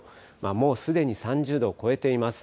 もうすでに３０度を超えています。